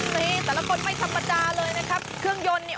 นี่แต่ละคนไม่ธรรมดาเลยนะครับเครื่องยนต์เนี่ย